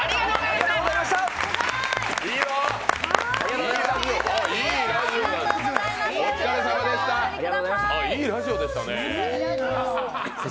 いいラジオでしたね。